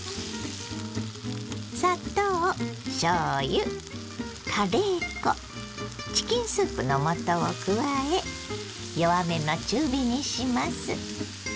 砂糖しょうゆカレー粉チキンスープの素を加え弱めの中火にします。